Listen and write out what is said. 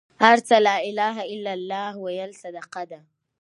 هر ځل لا إله إلا لله ويل صدقه ده